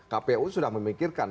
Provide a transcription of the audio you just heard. kpu sudah memikirkan